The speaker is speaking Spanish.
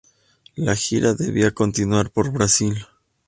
La gira debía continuar por Brazil.